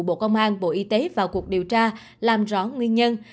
bộ công an bộ y tế vào cuộc điều tra làm rõ nguyên nhân